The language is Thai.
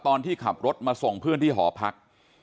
ตอนที่ขับรถมาส่งเพื่อนที่หอพัก